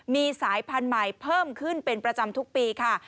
มีสายพันธุ์ใหม่เพิ่มขึ้นเป็นประจำทุกปีค่ะ